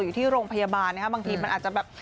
อยู่ที่โรงพยาบาลนะครับบางทีมันอาจจะแบบ